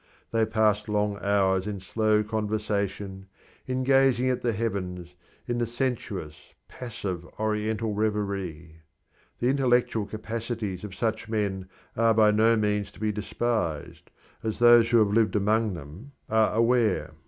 They pass long hours in slow conversation, in gazing at the heavens, in the sensuous, passive oriental reverie. The intellectual capacities of such men are by no means to be despised, as those who have lived among them are aware.